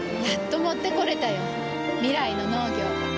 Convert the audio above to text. やっと持ってこれたよ。未来の農業。